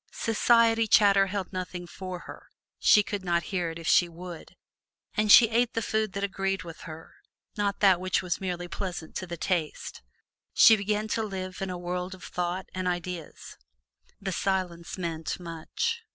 Society chatter held nothing for her, she could not hear it if she would; and she ate the food that agreed with her, not that which was merely pleasant to the taste. She began to live in a world of thought and ideas. The silence meant much.